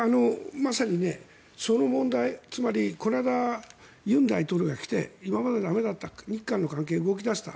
まさにその問題つまりこの間、尹大統領が来て今まで駄目だった日韓の関係が動き出した。